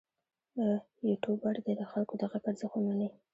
یوټوبر دې د خلکو د غږ ارزښت ومني.